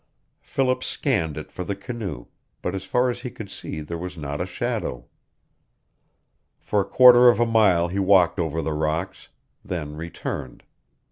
Philip scanned it for the canoe, but as far as he could see there was not a shadow. For a quarter of a mile he walked over the rocks, then returned.